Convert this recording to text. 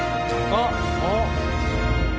あっ！